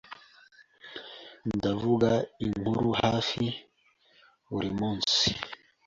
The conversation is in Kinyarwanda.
Ndavuga inkuru hafi buri munsi.